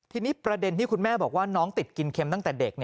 ทีนี้ประเด็นที่คุณแม่บอกว่าน้องติดกินเค็มตั้งแต่เด็ก